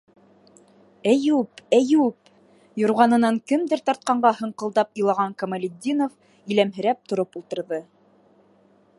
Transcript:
Әйүп, Әйүп! юрғанынан кемдер тартҡанға һыңҡылдап илаған Камалетдинов иләмһерәп тороп ултырҙы.